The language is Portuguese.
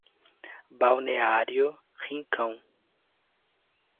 Balneário Rincão